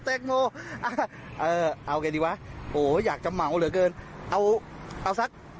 แต่งโมเอ่อเอาไงดีวะโอ้ยอยากจะเหมาเหลือเกินเอาเอาสัก